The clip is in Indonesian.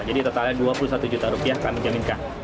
jadi totalnya dua puluh satu juta rupiah kami jaminkan